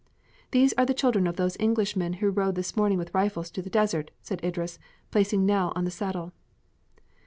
"These are the children of those Englishmen who rode this morning with rifles to the desert," said Idris, placing Nell on the saddle.